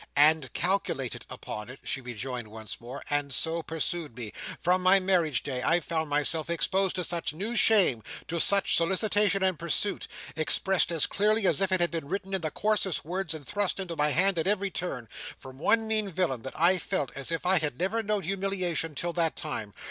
"And calculated on it," she rejoined once more, "and so pursued me. From my marriage day, I found myself exposed to such new shame—to such solicitation and pursuit (expressed as clearly as if it had been written in the coarsest words, and thrust into my hand at every turn) from one mean villain, that I felt as if I had never known humiliation till that time.